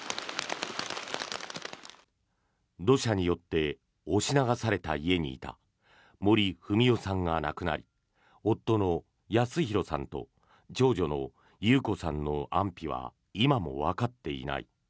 土砂によって押し流された家にいた森文代さんが亡くなり夫の保啓さんと長女の優子さんの安否は今もわかっていない。